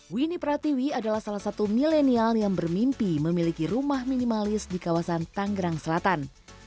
winnie pratiwi adalah salah satu milenial yang bermimpi memiliki rumah minimalis di kawasan tanggerang selatan